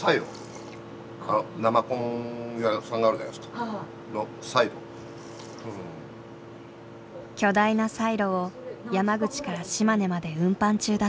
巨大なサイロを山口から島根まで運搬中だそう。